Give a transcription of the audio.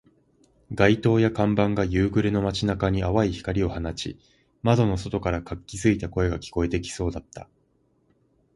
街灯や看板が夕暮れの街中に淡い光を放ち、窓の外から活気付いた声が聞こえてきそうだった